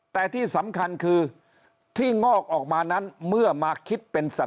แต่ที่สำคัญคือที่งอกออกมานั้นเมื่อมาคิดเป็น